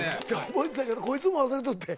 覚えてたけどこいつも忘れとって。